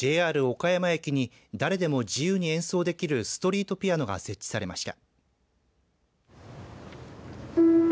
岡山駅に誰でも自由に演奏できるストリートピアノが設置されました。